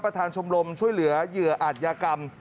ชมรมช่วยเหลือเหยื่ออาจยากรรม